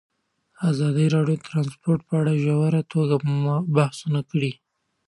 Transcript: ازادي راډیو د ترانسپورټ په اړه په ژوره توګه بحثونه کړي.